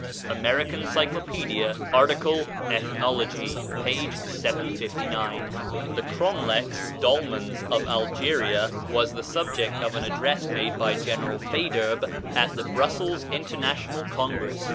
("American Cyclopædia," art. Ethnology, p. 759.) "The Cromlechs (dolmens) of Algeria" was the subject of an address made by General Faidherbe at the Brussels International Congress.